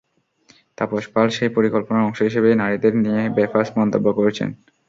তাপস পাল সেই পরিকল্পনার অংশ হিসেবেই নারীদের নিয়ে বেফাঁস মন্তব্য করেছেন।